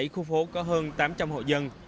bảy khu phố có hơn tám trăm linh hộ dân